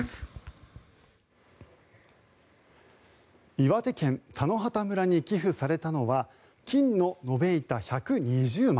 岩手県田野畑村に寄付されたのは金の延べ板１２０枚。